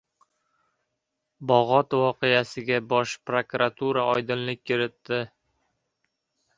«Bog‘ot voqeasi»ga Bosh prokuratura oydinlik kiritdi